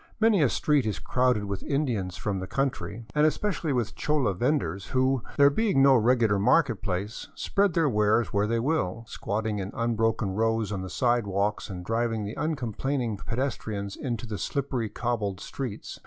Many a street is crowded with Indians from the country, and especially wjth chola vendors who, there being no regular market place, spread their wares where they will, squatting in unbroken rows on the sidewalks and driving the uncomplaining pedes trian into the slippery cobbled streets.